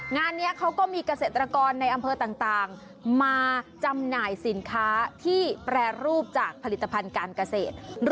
งานนี้เขาก็มีเกษตรกรในอำเภอต่างมาจำหน่ายสินค้าที่แปรรูปจากผลิตภัณฑ์การเกษตร